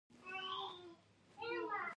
چوکۍ د غټانو لپاره پراخه وي.